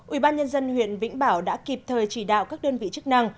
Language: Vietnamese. ubnd huyện vĩnh bảo đã kịp thời chỉ đạo các đơn vị chức năng